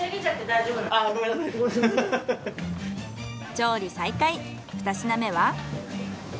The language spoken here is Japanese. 調理再開ふた品目は？